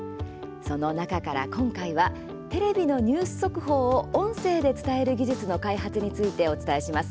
その中から、今回はテレビのニュース速報を音声で伝える技術の開発ついてお伝えします。